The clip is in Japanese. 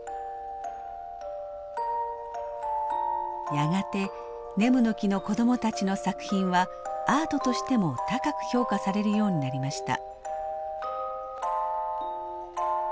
やがてねむの木の子どもたちの作品はアートとしても高く評価されるようになりました。